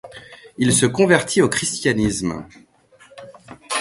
Il se convertit au Christianisme.